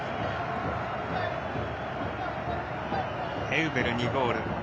エウベル、２ゴール。